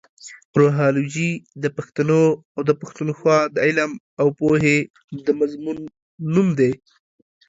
روهالوجي د پښتنو اٶ د پښتونخوا د علم اٶ پوهې د مضمون نوم دې.